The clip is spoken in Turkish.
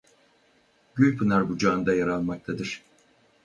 Gülpınar bucağında yer almaktadır.